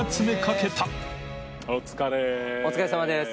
お疲れさまです。